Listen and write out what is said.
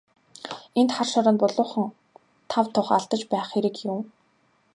Энд хар шороонд булуулан тав тух алдаж байх хэрэг юун.